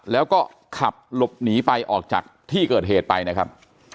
แล้วก็ขับหลบหนีไปออกจากที่เกิดเหตุไปนะครับ